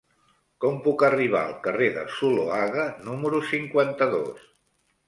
Com puc arribar al carrer de Zuloaga número cinquanta-dos?